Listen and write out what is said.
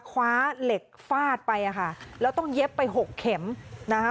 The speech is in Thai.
คว้าเหล็กฟาดไปอ่ะค่ะแล้วต้องเย็บไปหกเข็มนะคะ